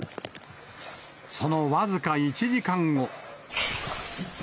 その僅か１時間後。